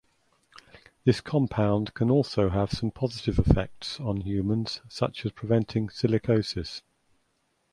This compound can also have some positive effects on humans such as preventing silicosis.